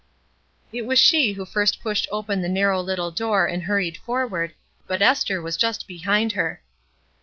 It was she who first pushed open the narrow little door and hurried forward, but Esther was just behind her.